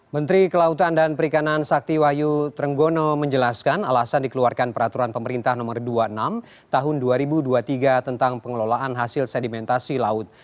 menteri kelautan dan perikanan sakti wahyu trenggono menjelaskan alasan dikeluarkan peraturan pemerintah nomor dua puluh enam tahun dua ribu dua puluh tiga tentang pengelolaan hasil sedimentasi laut